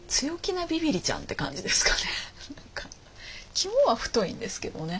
肝は太いんですけどね。